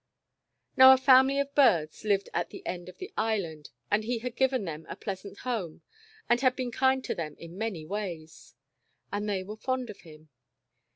Now, a family of birds lived at the end of the Island and he had given them a pleasant home, and had been kind to them in many ways, and they were fond of him.